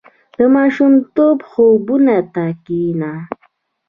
• د ماشومتوب خوبونو ته کښېنه.